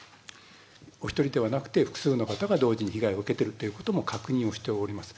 お１人ではなくて、複数の方が同時に被害を受けてるということも確認をしております。